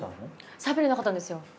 しゃべれなかったんですよ。